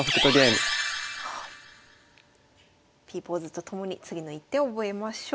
Ｐポーズと共に次の一手を覚えましょう。